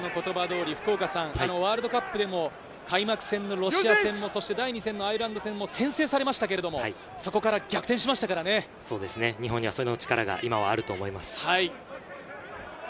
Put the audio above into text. ワールドカップでも開幕戦のロシア戦も第２戦のアイルランド戦も先制されましたけど、日本にはその力が今はあると思います。